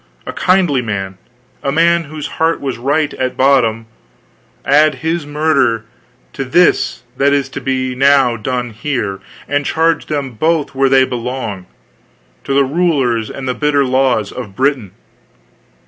A kindly man; a man whose heart was right, at bottom; add his murder to this that is to be now done here; and charge them both where they belong to the rulers and the bitter laws of Britain.